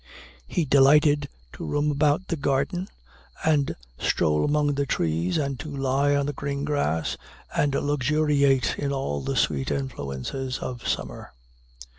He delighted to roam about the garden, and stroll among the trees, and to lie on the green grass and luxuriate in all the sweet influences of summer.